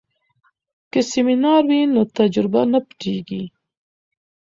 که سمینار وي نو تجربه نه پټیږي.